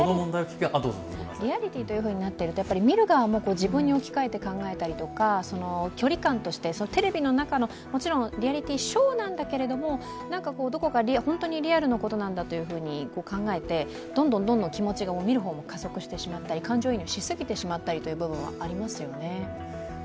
リアリティーということになるとやっぱり見る側も自分に置き換えて考えたりとか距離感としてもちろんテレビの中で、もちろんリアリティーショーなんだけれども、どこか本当にリアルなことなんだっていうふうに考えて、どんどん気持ちもみる側も感情移入しすぎてしまったりという部分はありますよね。